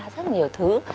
rất nhiều thứ